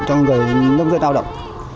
cho người nông dân lao động